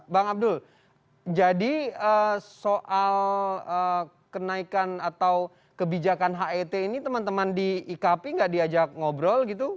bang abdul jadi soal kenaikan atau kebijakan het ini teman teman di ikp nggak diajak ngobrol gitu